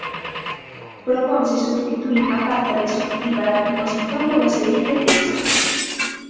Proponse substituír a parte resolutiva da proposición polo seguinte texto: